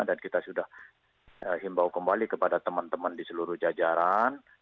dan kita sudah himbau kembali kepada teman teman di seluruh jajaran